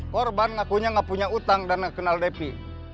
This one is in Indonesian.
korban ngakunya nggak punya utang dan kenal depi